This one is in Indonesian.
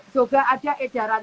juga ada ejaran